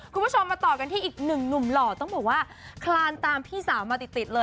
คุณผู้ชมมาต่อกันที่อีกหนึ่งหนุ่มหล่อต้องบอกว่าคลานตามพี่สาวมาติดติดเลย